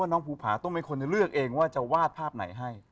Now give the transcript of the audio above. น้องภูผาต้องเป็นคนเลือกเองว่าจะวาดภาพไหนให้